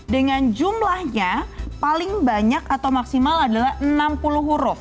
dengan jumlahnya paling banyak atau maksimal adalah enam puluh huruf